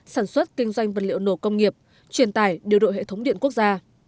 sản xuất kinh doanh vật liệu nổ công nghiệp truyền tải điều đội hệ thống điện quốc gia